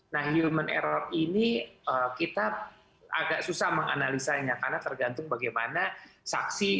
nah human error ini kita agak susah menganalisanya karena tergantung bagaimana saksi